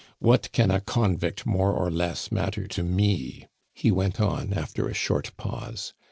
"What can a convict more or less matter to me?" he went on, after a short pause.